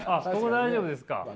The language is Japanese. そこ大丈夫ですか。